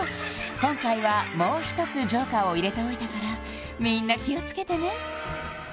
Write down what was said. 今回はもう１つＪＯＫＥＲを入れておいたからみんな気をつけてね